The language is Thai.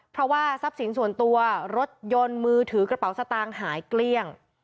เพราะว่าทรัพย์สินส่วนตัวรถยนต์มือถือกระเป๋าสตางค์หายเกลี้ยง